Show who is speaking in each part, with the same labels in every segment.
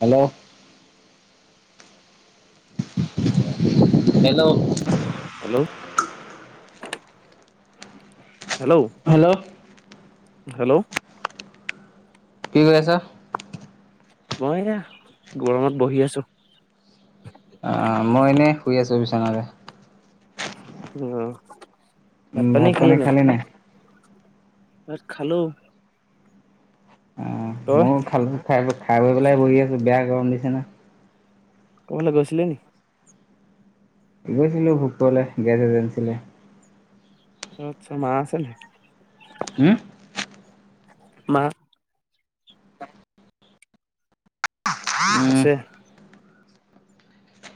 Speaker 1: Hello hello
Speaker 2: hello hello
Speaker 1: hello
Speaker 2: hello
Speaker 1: কি কৰি আছা
Speaker 2: মই এতি গৰমত বহি আছো।
Speaker 1: জনানে।
Speaker 2: উম।
Speaker 1: উম ভাত পানী খালে নাই?
Speaker 2: ভাত খালো। তই
Speaker 1: মোৰ খাল খাই হ'ল। খাই গৈ পেলাই বহি আছোঁ বেয়া গৰম দিছে না।
Speaker 2: ক'বালে গৈছিলি নি?
Speaker 1: গৈছিলো ভোকপুৰিলে গেছ এজেঞ্চিলে।
Speaker 2: আচ্ছা মা আছে নাই?
Speaker 1: হম।
Speaker 2: মা
Speaker 1: [inaudible] উম।
Speaker 2: আছে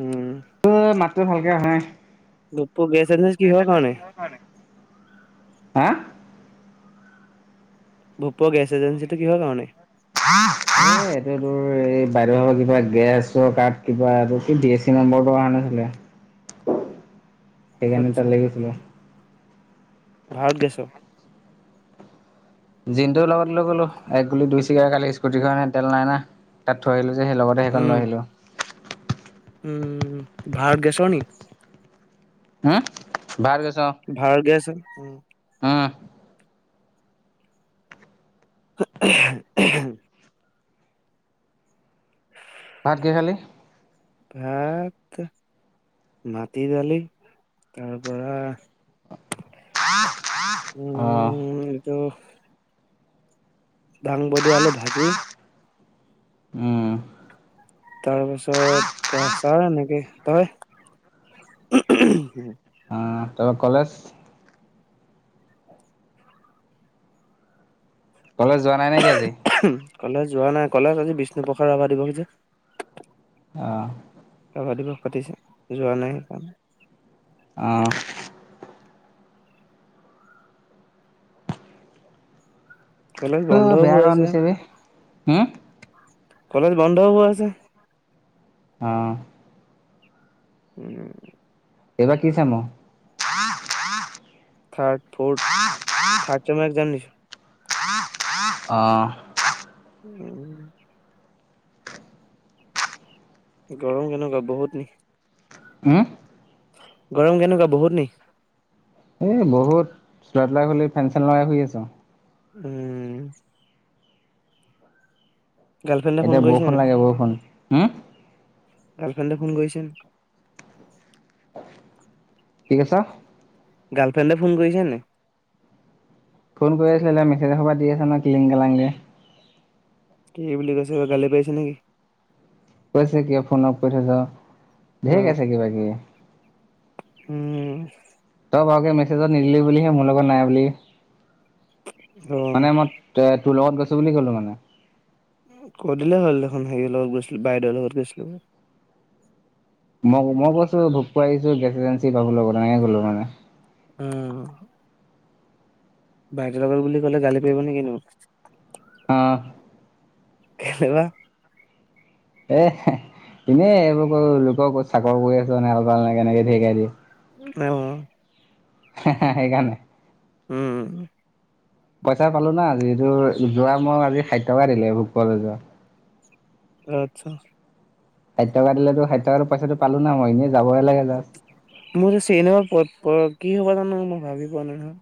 Speaker 2: উম
Speaker 1: অ', মা টো ভালকে অহা নাই।
Speaker 2: ভোকপুৰ গেছ এজেঞ্চি কিহৰ কাৰণে?
Speaker 1: হা।
Speaker 2: [inaudible] এজেঞ্চিটো কিহৰ কাৰণে
Speaker 1: এইটো তোৰ এই বাহিৰৰ কিবা গেছৰ কাৰ্ড, কিবা আৰু বি এছ চি নম্বৰটো অহা নাছিলে। সেইকাৰণে
Speaker 2: আচ্ছা
Speaker 1: তালে গৈছিলোঁ।
Speaker 2: ভাৰত গেছত।
Speaker 1: জিনটো লগত লৈ গ'লো। এক গুলি, দুই ছিকাৰ কালি স্কুটি খনে তেল নাই না, তাত থৈ আহিলো। সেয়েহে লগতে সেইখন
Speaker 2: উম
Speaker 1: লৈ আহিলো।
Speaker 2: উম', ভাৰত গেছৰ নি?
Speaker 1: হম?
Speaker 2: ভাৰত গেছ হে। উম।
Speaker 1: অ'।
Speaker 2: [unintelligible]
Speaker 1: ভাত কি খালি?
Speaker 2: ভাত মাটি-দালি, তাৰ পৰা
Speaker 1: অ
Speaker 2: উম', এইটো ডাঙবডী, আলু ভাজি।
Speaker 1: উম।
Speaker 2: তাৰপিছত আচাৰ এনেকেই। তই
Speaker 1: অ' তাপা কলেজ? কলেজ যোৱা নাই নেকি, আজি?
Speaker 2: কলেজ যোৱা নাই, কলেজ আজি বিষ্ণুপ্ৰসাদ ৰাভা দিৱস যে
Speaker 1: অহ।
Speaker 2: ৰাভা দিৱস পাতিছে, যোৱা নাই সেইকাৰণে।
Speaker 1: অহ।
Speaker 2: কলেজ
Speaker 1: অ',
Speaker 2: বন্ধও
Speaker 1: বেয়া
Speaker 2: হৈ
Speaker 1: গৰম
Speaker 2: আছে
Speaker 1: দিছে বে- হু
Speaker 2: কলেজ বন্ধ হৈ আছে।
Speaker 1: অহ।
Speaker 2: উম।
Speaker 1: এইবাৰ কি চেম নো?
Speaker 2: থাৰ্ড, ফৰ্থ, থাৰ্ড চেমৰ একজাম দিছো।
Speaker 1: অহ।
Speaker 2: উম। গৰম কেনেকুৱা, বহুত নি?
Speaker 1: হুম।
Speaker 2: গৰম কেনেকুৱা, বহুত নি?
Speaker 1: এ বহুত চোলা-তোলা খুলি ফেন-চেন লগাই শুই আছো।
Speaker 2: উম'। গাৰ্লফ্ৰেণ্ডে ফোন
Speaker 1: এতিয়া
Speaker 2: কৰিছে
Speaker 1: বৰষুণ
Speaker 2: নাই
Speaker 1: লাগে, বৰষুণ উম
Speaker 2: গাৰ্লফ্ৰেণ্ডে ফোন কৰিছে নাই
Speaker 1: কি কৈছ?
Speaker 2: গাৰ্লফ্ৰেণ্ডে ফোন কৰিছে নাই?
Speaker 1: ফোন কৰি আছিলে, মেছেজ এ সোপা দি আছে নহয়, কিলিং-কালাংকে
Speaker 2: কি বুলি কৈছে, গালি পাৰিছে নেকি?
Speaker 1: কৈছে, কিয় ফোন অফ কৰি থৈছ
Speaker 2: অ
Speaker 1: ধেই গাইছে কিবা-কিবি।
Speaker 2: উম।
Speaker 1: তই বাৰুকে মেছেজত নিদিলি বুলিহে মোৰ লগত নাই বুলি
Speaker 2: অ
Speaker 1: মানে মই এ তোৰ লগত গৈ বুলি ক'লো মানে
Speaker 2: কৈ দিলে হ'ল দেখোন হেৰি লগত গৈছিলো, বাইদেউৰ লগত গৈছিলে বুলি
Speaker 1: মই মই কৈছো ভোক পুৱাই আহিছো, গেছ এজেঞ্চি বাবু লগত এনেকে ক'লো মানে
Speaker 2: উম'। বাইদউৰ লগৰ বুলি কলে গালি পাৰিব নে কিনো
Speaker 1: অ'।
Speaker 2: কেলা
Speaker 1: এ এনে এইবোৰ কৰ লোকৰ চাকৰ কৰি আছো, আল-বাল এনেকে এনেকে [unintelligible] দিয়ে।
Speaker 2: অ'।
Speaker 1: হা-হা সেইকাৰণে
Speaker 2: উম'।
Speaker 1: পইচা পালো না, আজিটো যোৱা মোক আজি ষাঠি টকা দিলে ভোক এ যোৱা
Speaker 2: আচ্ছা,
Speaker 1: ষাঠিটকা দিলেতো ষাঠিটকা পইচাটো পালো ন মই এনে যাবই লাগে। জাষ্ট।
Speaker 2: মোৰ যে চিনেমা প কি হ'ব, মই ভাবি পোৱা নাই নহয়।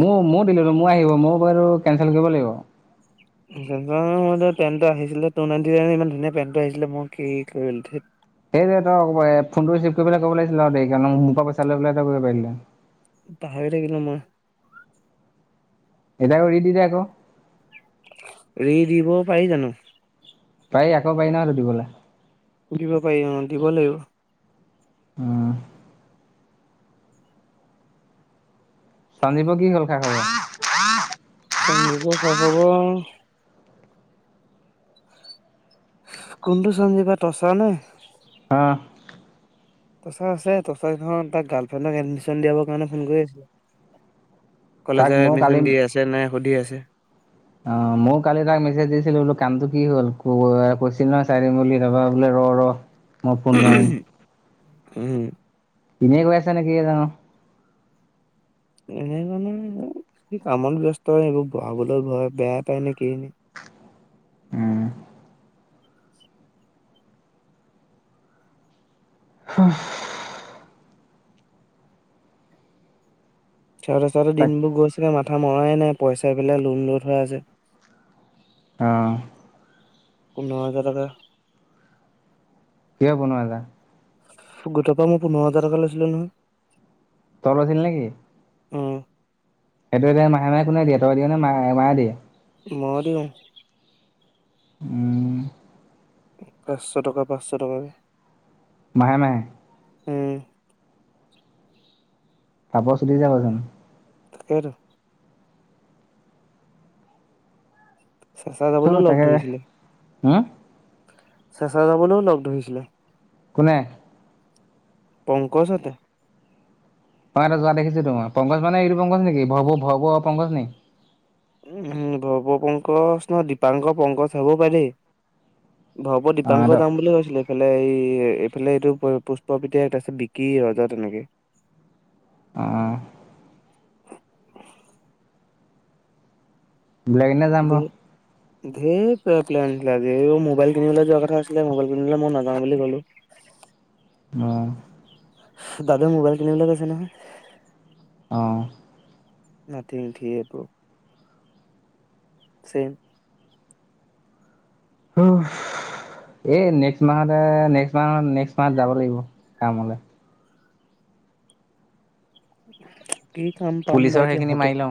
Speaker 1: মোৰ ময় দিলো মই আহিব মই বটো কেচেল কৰিব লাগিব।
Speaker 2: ে পেন্টো আহিছিলে টু নাইটি ইমান ধুনীয়া পেণ্টটো আহিছিলে মই কি কৰিল,
Speaker 1: সেই যে তই ফোনটো ৰিচিভ কৰিব কব লাগিছিল আৰু দেৰিকে মোৰ পৰা পইচা লৈ পেলাই তই কৰিব পাৰিলে।
Speaker 2: পাহৰি থাকিলো মই,
Speaker 1: এটা ৰী দিত আকৌ,
Speaker 2: ৰি দিব পাৰি জানো।
Speaker 1: পাৰি আকৌ পাৰি ন সুধিবলৈ,
Speaker 2: দিব পাৰি অ দিব লাগিব।
Speaker 1: আহ সঞ্জীপৰ কি হল খা খবৰ
Speaker 2: সন্দীপ খা খবৰ, কোনটো চঞ্জী বা টচা নে
Speaker 1: হ!
Speaker 2: তচা আছে তচখন তাক গাৰ্লফ্ৰেণ্ডক এডমিশন দিয়াবৰ কাৰণে ফোন কৰি আছিলে।
Speaker 1: তাক
Speaker 2: কলেজত
Speaker 1: ময়ো কালি
Speaker 2: এডমিশন দি আছে নে সুধি আছে। যে,
Speaker 1: অ ময়ো কালি তাক মেছেজ দিছিলো বোলো কামটো কি হ'ল কৈছিল নহয় চাই দিম বুলি তাৰপা বোলে ৰ ৰ, মই ফোন মাইম,
Speaker 2: উম,
Speaker 1: ইনেই কৈ আছে নে কি জানো।
Speaker 2: এনে কাৰণে কামত ব্যস্ত হয় এইবোৰ বহাবলৈ ঘ বেয়া পায় নে কি,
Speaker 1: উম! হ!
Speaker 2: চাওঁতে চাওঁতে
Speaker 1: তাক
Speaker 2: দিনবোৰ গৈছেগে মাথতে, কথা মৰাই নাই পইচা পেলাই লোন লৈ থোৱা আছে।
Speaker 1: অ,
Speaker 2: পোন্ধৰ হাজাৰ টকা,
Speaker 1: কিয় বনোৱাালা।
Speaker 2: গোটৰ পৰা মই পোন্ধৰ হাজাৰ টকা লৈছিলো নহয়।
Speaker 1: তই লৈছিলি নে কি,
Speaker 2: উম
Speaker 1: সেইটো এতিয়া মাহে মাহে কোনে দিয়ে তই দিয় নে মা মায়ে দিয়ে।
Speaker 2: মই দিওঁ,
Speaker 1: উম।
Speaker 2: পাঁচশ টকা পাঁচশ টকাকে,
Speaker 1: মাহে মাহে!
Speaker 2: উম
Speaker 1: ফাপৰ চুটি যাবচোন।
Speaker 2: টাকেটো। চে চা
Speaker 1: হ
Speaker 2: যাবলৈও লগ
Speaker 1: তাকে
Speaker 2: ধৰিছিলে।
Speaker 1: হম,
Speaker 2: চেচা যাবলৈও লগ ধৰিছিলে।
Speaker 1: কোনে?
Speaker 2: পংকজ হতে
Speaker 1: মই এটা যোৱা দেখিছো তো মই পংকজ মানে এইটো পংকজ নেকি [unintelligible] পংকজ নি
Speaker 2: উ ভৱ পংকজ নহ দিপাংক পংকজ হব পাৰে দেই ভৱ দীপাংকৰ
Speaker 1: অ',
Speaker 2: যাম বুলি কৈছিলে এইফালে ফে এই এইফালে এইটো পুষ্প পিতেক তাৰপিছত বিকি ৰজা তেনেকে
Speaker 1: আহ বেলেগ এদিনা যাম ৰ
Speaker 2: ধেৰ ধেৰ প্লেন এৰো মোবাইল কিনিব যোৱা কথা আছিলে মোবাইল কিনিবলৈ মই নাযাওঁ বুলি ক'লো
Speaker 1: অ
Speaker 2: দাদা মোবাইল কিনিবলৈ গৈছে নহয়
Speaker 1: অঁ
Speaker 2: [unintelligible]
Speaker 1: এই নেক্স মাহতে নেক্স মাহ নেক্স মাহ যাব লাগিব কামলে
Speaker 2: উ কি কাম পাম বা
Speaker 1: পুলিচৰ
Speaker 2: এতিয়া
Speaker 1: সেইখিনি
Speaker 2: হোতে
Speaker 1: মাৰি লওঁ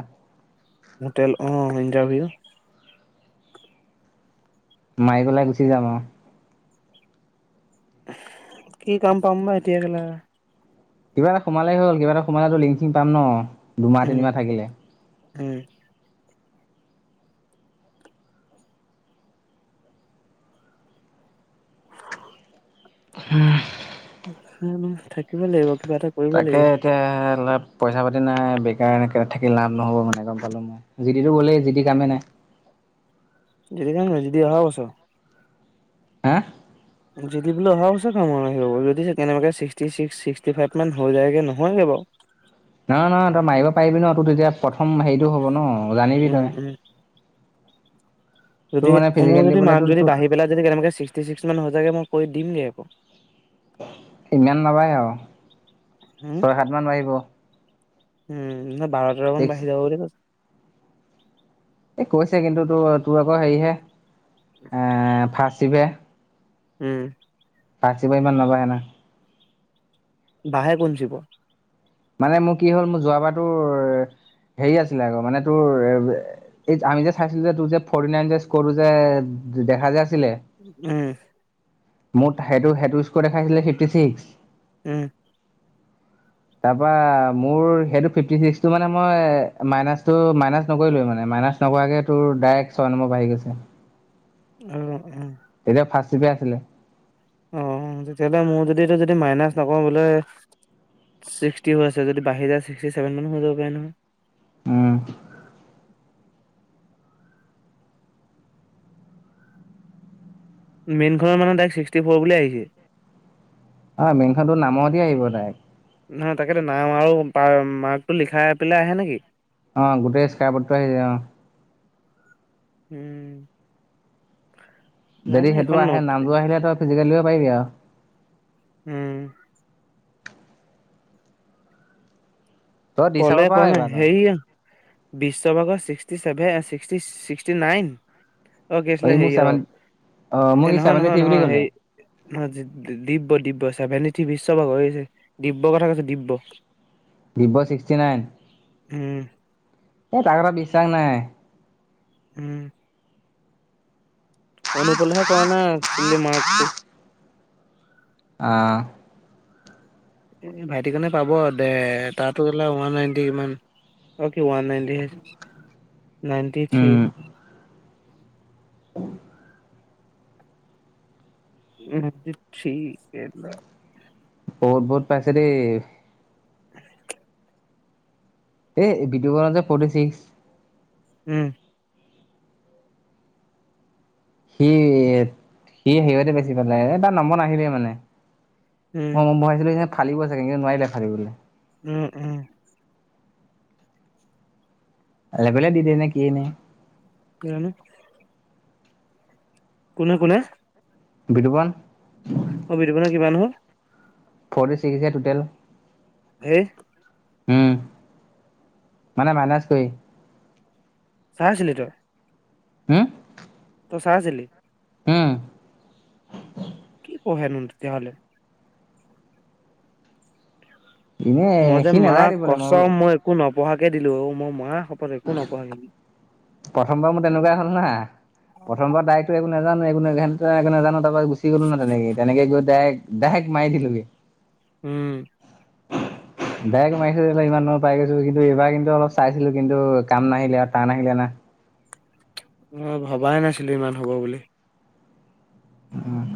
Speaker 2: হোটেল অ ইন্টাৰভিউ
Speaker 1: মাৰি গলেই গুচি যাম আৰু
Speaker 2: কি কাম পাম বা এতিয়া গেলা
Speaker 1: কিবা এটা সোমালেই হ'ল কিবা এটা সোমালেতো লিংচিং পাম ন দুমাহ
Speaker 2: উম
Speaker 1: তিনিমাহ থাকিলে
Speaker 2: উম
Speaker 1: উম উম
Speaker 2: উম থাকিবই লাগিব কিবা এটা কৰিব
Speaker 1: তাকে
Speaker 2: লাগিব
Speaker 1: এতিয়া পইচা পাতি নাই বেকাৰ এনেক থাকি লাভ নহ'ব মানে গম পালো মই যিটিটো গ'লেই যিটি কামেই নাই
Speaker 2: যি টি
Speaker 1: হাঁ
Speaker 2: যদি বোলে অহা বচ কাম আহিব যদি চেকেন মতে চিস্কটি ফাইভ হৈ যায়গৈ নহয় হো বাওঁ
Speaker 1: নহ নহ তই মাৰিব পাৰিবি ন তোৰ তেতিয়া প্ৰথম হেৰিটো হ'ব ন জানিবি
Speaker 2: উম
Speaker 1: তই
Speaker 2: উম
Speaker 1: তোৰ
Speaker 2: যদি
Speaker 1: মানে ফিজিকেল
Speaker 2: মোৰ যদি
Speaker 1: দিবলে
Speaker 2: মাৰ্ক
Speaker 1: তোৰ
Speaker 2: যদি
Speaker 1: তোক
Speaker 2: বাঢ়ি পেলাই যদি কেনে ছিক্সটি ছিক্স মান হৈ যাগে ম কৈ দিম ন আকৌ
Speaker 1: ইমান নাপায় আৰু
Speaker 2: উম
Speaker 1: ছয় সাত মান পাৰিব
Speaker 2: উম বাৰ তেৰ মান বাহি যাব বুলি কৈছে।
Speaker 1: এ কৈছে কিন্তু তোৰ তোৰ আকৌ হেৰিহে এ ফাৰ্ষ্ট চিৱে
Speaker 2: উম।
Speaker 1: কাচিবা ইমান নবাে না
Speaker 2: বাঢ়ে দেখোন [unintelligible]
Speaker 1: মানে মোৰ কি হ'ল, মোৰ যোৱাবাৰ তোৰ হেৰি আছিলে আকৌ মানে তোৰ আমি যে চাইছিলো যে তোৰ যে ফৰ্টি নাইন যে স্কৰ যে দেখা যায়।
Speaker 2: উম।
Speaker 1: মোক সেইটো, সেইটো স্কৰ দেখাইছিলে ফিফটি ছিক্স।
Speaker 2: উম।
Speaker 1: তাৰ পৰা মোৰ সেইটো ফিফটি চিস্ক মানে মই মাইচ মই নকৰিলো মানে মাইচ নহাকৈ বাৰহি গৈছে।
Speaker 2: উ উম।
Speaker 1: তেতিয়া [unintelligible] আছিলে।
Speaker 2: অ' তেতিয়াহ'লে মোৰ যদি যদি মাইনাচ নকওঁ, বোলে ছিক্সটি হৈ আছে যদি বাঢ়ি ছিক্সটি চেভেন মান হৈ যাব পৰে নহয়।
Speaker 1: উম।
Speaker 2: মেইন খনৰ মানে তাইক ছিক্সটি ফ'ৰ বুলি আহিছে।
Speaker 1: অ' মেইন খনতটো নামতে আহিব তাই।
Speaker 2: না অ' তাকেইতো‌ নাও আৰু মাৰ্কটো লিখাই পেলাই আহে নেকি
Speaker 1: অ' গোটেই স্কাইপৰ্টো আহিছে অ'
Speaker 2: উম। জানো
Speaker 1: যদি সেইটো
Speaker 2: এইখন ন
Speaker 1: আহে, নাম যোৰ আহিলে তই ফিজিকেল দিব পাৰিবি আৰু।
Speaker 2: উম।
Speaker 1: তই দি চাব
Speaker 2: তলে
Speaker 1: পাৰ
Speaker 2: প নাই
Speaker 1: এইবাৰ
Speaker 2: সেইয়া বিশ্বভাগৰ sixty seven, sixty sixty nine. কি
Speaker 1: অ'
Speaker 2: আছিলে
Speaker 1: ই মোক
Speaker 2: হেৰি
Speaker 1: চেভেন, অ' মোক ই চেভেনটি থ্ৰি বুলি কলে
Speaker 2: ন দিব্য দিব্য, চেভেনটি থ্ৰি বিশ্বভাগ হৈ আছে দিব্যৰ কথা কৈছে দিব্য।
Speaker 1: Divya sixty nine.
Speaker 2: উম।
Speaker 1: এ তাৰ কথা বিশ্বাস নাই।
Speaker 2: উম। অনুপল হে কোৱা নাই। [unintelligible] মাৰ্কটো
Speaker 1: আহ।
Speaker 2: এ ভাইটি কাৰনে পাব দে তাৰতো গা ওৱান নাইনটি কিমান অ' কি ওৱান নাইনটি নাইনটি থ্ৰী।
Speaker 1: উম
Speaker 2: নাইনটি থ্ৰী! ! ! ! ! ! ! ! ! !
Speaker 1: অ' বহুত পাইছে দেই।
Speaker 2: [inaudible]
Speaker 1: এ ভিডিঅ বনাও যে ফৰ্টি চিক্স
Speaker 2: উম।
Speaker 1: সি সি সিহঁতে বেছি পালে এ তাৰ নম্বৰ নাহিলে মানে।
Speaker 2: উম
Speaker 1: মই মই ভাবিছিলো যে খালি ও চাগে কিন্তু নোৱাৰিলে খালিবলৈ
Speaker 2: উম, উম।
Speaker 1: [unintelligible] দি দিয়েনে কি এই নে।
Speaker 2: কিয়নো। কোনে কোনে?
Speaker 1: বিটোপণ।
Speaker 2: অ বিটোপণৰ কিমান হল?
Speaker 1: ফৰটি ছিক্স এ টুটেল।
Speaker 2: হে।
Speaker 1: উম, মানে মাইনাছ কৰি।
Speaker 2: চাই আছিলি তই?
Speaker 1: হুম।
Speaker 2: তই চাই আছিলি?
Speaker 1: হুম।
Speaker 2: কি পহে নো তেতিয়াহলে?
Speaker 1: এনেই
Speaker 2: মই যে
Speaker 1: সি
Speaker 2: মা
Speaker 1: নাযায় দিবলৈ
Speaker 2: কছম
Speaker 1: বোলো
Speaker 2: মই একো নপঢ়া কে দিলো অ মই মা শপত একো নপঢ়াকে
Speaker 1: প্ৰথমবাৰ মোৰ তেনেকুৱাই হ'ল নহা, প্ৰথমবাৰ ডাইৰেক্ট একো নে নেজানোৱে একো নাজানো, ঘেন্টা একো নাজানো তাপা গুছি গলো নহয় তেনেকে তেনেকে গৈ ডাইৰেক ডাইৰেক্ট মাৰি দিলোগে
Speaker 2: উম
Speaker 1: ডাইৰেক্ট মাৰিছিলো ইমান নম্বৰ পাই গৈছোঁ কিন্তু এইবাৰ কিন্তু অলপ চাইছিলো কিন্তু কাম নাহিলে আৰু টান আহিলে না
Speaker 2: অ ভবাই নাছিলো ইমান হব বুলি
Speaker 1: উম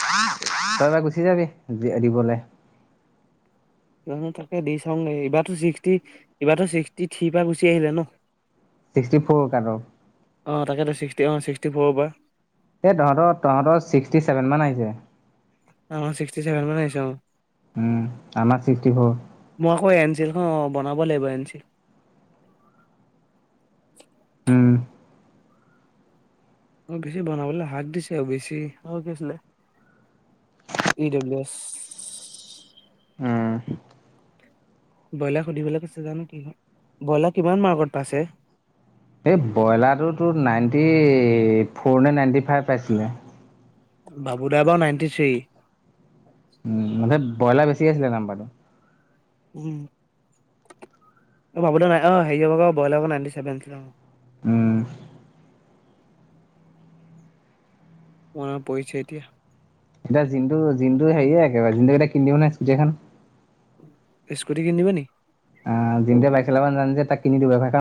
Speaker 1: তই এবাৰ গুচি যাবি দি দিবলৈ
Speaker 2: [unintelligible] তাকে দি চাওগে এইবাৰো ছিক্সি এইবাৰো ছিক্সটি থিৰ পৰা গুচি আহিলে ন
Speaker 1: ছিক্সটি ফ'ৰ কাট অফ
Speaker 2: অ তাকেতো ছিক্সটি অ ছিক্সটি ফৌৰ পৰা
Speaker 1: এ তহঁতৰ তহঁতৰ ছিক্সটি ছেভেন মান আহিছে
Speaker 2: আমাৰ ছিক্সটি চেভেন মান আহিছে অ
Speaker 1: উম আমাৰ চিস্কি ফৌৰ
Speaker 2: মই আকৌ এনচিলখন অ বনাব লাগিব এন ছি এল
Speaker 1: উম
Speaker 2: অ বেছি বনাবলৈ হাক দিছে আৰু বেছি অ গ আছিলে ই ডব্লউ এ
Speaker 1: উম
Speaker 2: ব্ৰইলাক সুধিবলৈ কৈছে জানো কি হয় ব্ৰইলাৰ কিমান মাৰ্কত পাইছে
Speaker 1: এই ব্ৰইলাৰটোতো নাইনটি ফ'ৰ নে নাইনটি ফাইভ পাইছিলে
Speaker 2: বাবুদাই বাৰু নাইনটি থ্ৰী
Speaker 1: উম মানে ব্ৰইলাৰ বেছি চি আছিলে নাম্বাৰটো
Speaker 2: উম এ বাবু দা নাই অ হেৰি যাব ব্ৰইলাৰ নাইনটি চভেন
Speaker 1: উম
Speaker 2: মনত পৰিছে এতিয়া
Speaker 1: এতা জিন্তু, জিন্তু হেৰি একেবাৰে, জিন্তুক এতিয়া‌‌ কিনি দিওঁ নে স্কুটি এখন?
Speaker 2: স্কুটি কিনি দিব নি?
Speaker 1: অ জিন্তুৱে বাইক চলাব নাযানে যে, তাক কিনি দিব [unintelligible]